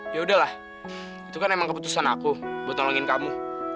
ya udahlah itu kan emang keputusan aku buat nolongin kamu